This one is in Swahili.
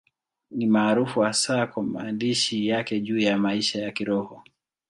Ni maarufu hasa kwa maandishi yake juu ya maisha ya Kiroho.